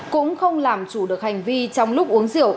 cũng không làm chủ được hành vi trong lúc uống rượu